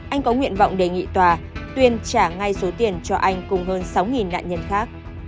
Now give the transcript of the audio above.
anh có nguyện vọng đề nghị tòa tuyên trả ngay số tiền cho anh cùng hơn sáu nạn nhân khác